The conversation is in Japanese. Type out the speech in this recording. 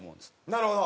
なるほど。